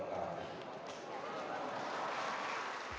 assalamualaikum warahmatullahi wabarakatuh